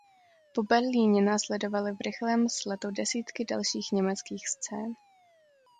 Po Berlíně následovaly v rychlém sledu desítky dalších německých scén.